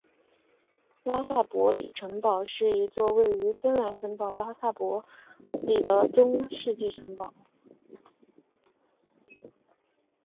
拉塞博里城堡是一座位于芬兰城市拉塞博里的中世纪城堡。